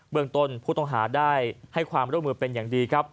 เมืองต้นผู้ต้องหาได้ให้ความร่วมมือเป็นอย่างดีครับ